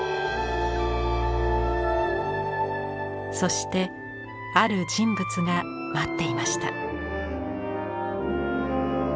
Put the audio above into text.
そしてある人物が待っていました。